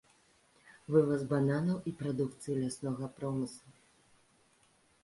Вываз бананаў і прадукцыі ляснога промыслу.